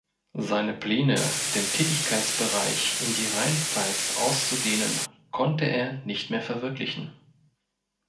Seine Pläne, den Tätigkeitsbereich in die Rheinpfalz auszudehnen, konnte er nicht mehr verwirklichen.